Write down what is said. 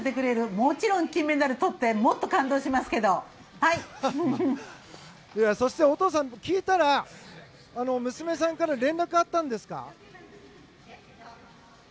もちろん金メダルとってそして、お父さん聞いたら、娘さんから連絡あったんですか？